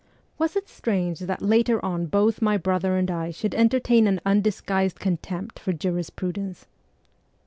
Was it strange that later on both my brother and I should entertain an undisguised contempt for jurisprudence